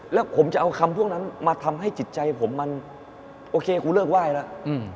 แล้วผมจะเอาคำพวกนั้นมาทำให้จิตใจผมมันโอเคกูเลิกไหว้แล้ว